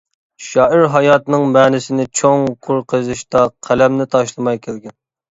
شائىر ھاياتىنىڭ مەنىسىنى چوڭقۇر قېزىشتا قەلەمنى تاشلىماي كەلگەن.